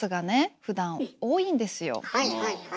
私はいはいはい。